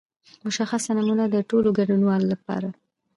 مشخصه نمونه د ټولو ګډونوالو لپاره.